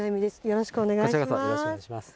よろしくお願いします。